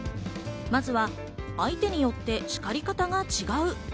まずは、相手によって叱り方が違う。